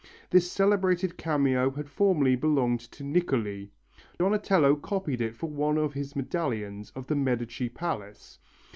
This celebrated cameo had formerly belonged to Niccoli. Donatello copied it for one of his medallions of the Medici palace.